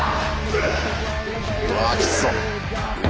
うわぁきつそう。